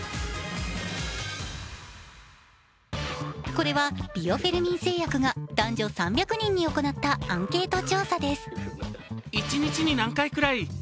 これはビオフェルミン製薬が男女３００人に行ったアンケート調査です。